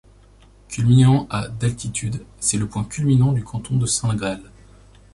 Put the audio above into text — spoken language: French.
Culminant à d'altitude, c'est le point culminant du canton de Saint-Gall.